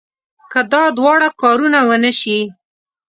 که دا دواړه کارونه ونه شي.